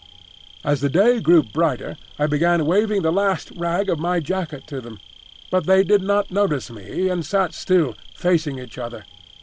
As the day grew brighter, I began waving the last rag of my jacket to them; but they did not notice me, and sat still, facing each other.